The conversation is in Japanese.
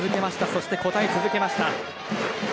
そして応え続けました、比嘉。